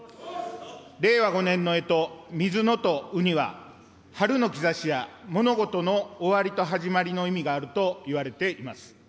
令和５年のえと、みずのとうには、春の兆しや、物事の終わりと始まりの意味があるといわれています。